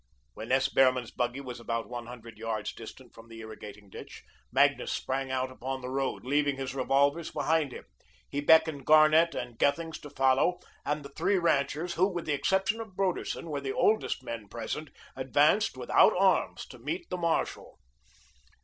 When S. Behrman's buggy was about one hundred yards distant from the irrigating ditch, Magnus sprang out upon the road, leaving his revolvers behind him. He beckoned Garnett and Gethings to follow, and the three ranchers, who, with the exception of Broderson, were the oldest men present, advanced, without arms, to meet the marshal.